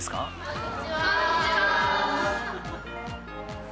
こんにちは。